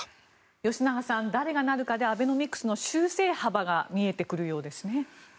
吉永さん、誰がなるかでアベノミクスの修正幅が見えてくるようですね。